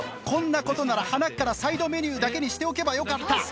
こんな事ならはなっからサイドメニューだけにしておけばよかった。